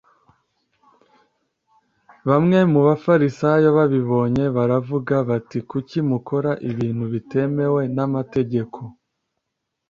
Bamwe mu Bafarisayo babibonye baravuga bati kuki mukora ibintu bitemewe n amategeko